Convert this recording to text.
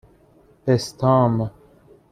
بِستام